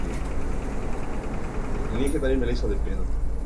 Existen varios problemas a la hora de comparar familias lingüísticas entre sí.